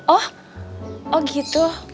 oh oh gitu